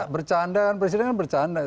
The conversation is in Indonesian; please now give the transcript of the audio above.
kan itu bercanda kan presiden kan bercanda